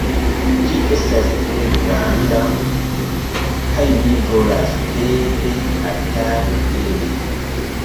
Ĝi estas tre granda. kaj mi volas pepe ataki ilin